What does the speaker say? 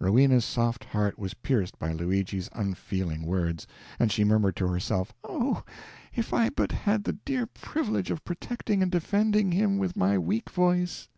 Rowena's soft heart was pierced by Luigi's unfeeling words, and she murmured to herself, "Oh, if I but had the dear privilege of protecting and defending him with my weak voice!